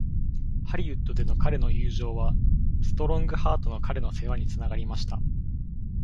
ハリウッドでの彼の友情はストロングハートの彼の世話につながりました。